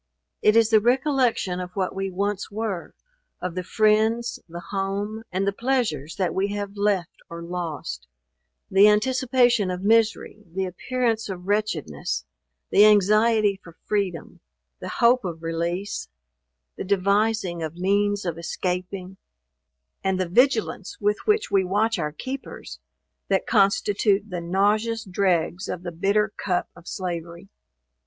It is the recollection of what we once were, of the friends, the home, and the pleasures that we have left or lost; the anticipation of misery, the appearance of wretchedness, the anxiety for freedom, the hope of release, the devising of means of escaping, and the vigilance with which we watch our keepers, that constitute the nauseous dregs of the bitter cup of slavery.